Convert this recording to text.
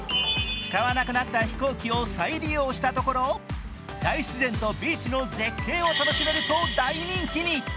使わなくなった飛行機を再利用したところ、大自然とビーチの絶景を楽しめると大人気に。